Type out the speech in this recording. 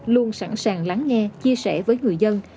luôn sẵn sàng lắng nghe chia sẻ với người dân